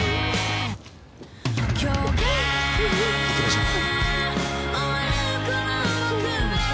行きましょう。